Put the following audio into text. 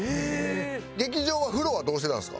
劇場は風呂はどうしてたんですか？